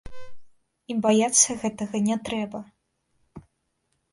І баяцца гэтага не трэба.